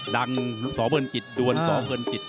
ดังสอเบิร์นกิตดวนสอเบิร์นกิต